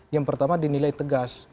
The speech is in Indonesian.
yang pertama dinilai tegas